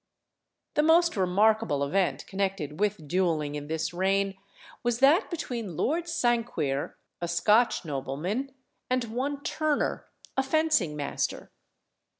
The most remarkable event connected with duelling in this reign was that between Lord Sanquir, a Scotch nobleman, and one Turner, a fencing master.